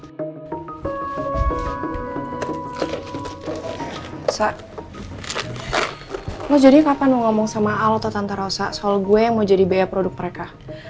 bisa lo jadi kapan ngomong sama alta tantarosa soal gue mau jadi biaya produk mereka